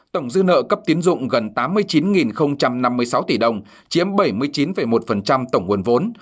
tổng dư nợ cấp tiến dụng gần tám mươi chín năm mươi sáu tỷ đồng chiếm bảy mươi chín một tổng nguồn vốn